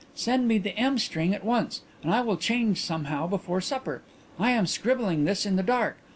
Send me the M. string at once and I will change somehow before supper. I am scribbling this in the dark.